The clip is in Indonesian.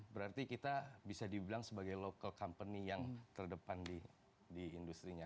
berarti kita bisa dibilang sebagai local company yang terdepan di industri nya